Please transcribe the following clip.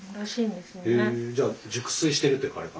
じゃあ熟睡してるって。